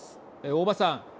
大庭さん。